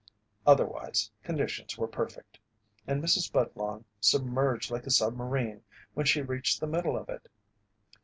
Otherwise conditions were perfect, and Mrs. Budlong submerged like a submarine when she reached the middle of it.